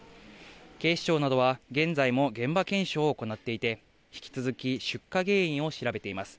警視庁などは、現在も現場検証を行っていて、引き続き出火原因を調べています。